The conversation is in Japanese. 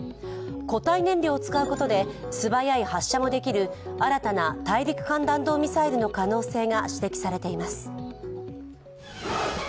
固体燃料を使うことで素早い発射もできる新たな大陸間弾道ミサイルの可能性が指摘されています。